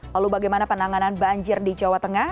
lalu bagaimana penanganan banjir di jawa tengah